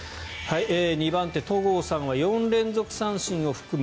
２番手、戸郷さんは４連続三振を含む